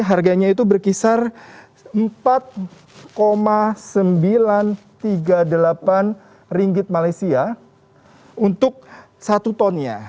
harganya itu berkisar empat sembilan ratus tiga puluh delapan ringgit malaysia untuk satu tonnya